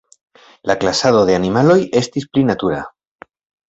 La klasado de animaloj estis pli natura.